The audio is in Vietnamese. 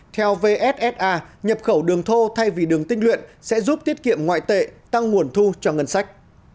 theo vssa nhập khẩu đường thô thay vì đường tinh luyện sẽ giúp tiết kiệm ngoại tệ tăng nguồn thu cho ngân sách